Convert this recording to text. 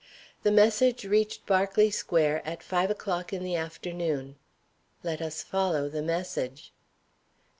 The message reached Berkeley Square at five o'clock in the afternoon. Let us follow the message.